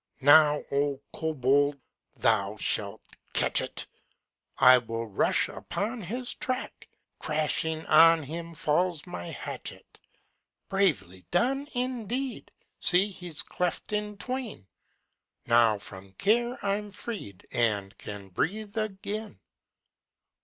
Now, oh Cobold, thou shalt catch it! I will rush upon his track; Crashing on him falls my hatchet. Bravely done, indeed! See, he's cleft in twain! Now from care I'm freed, And can breathe again.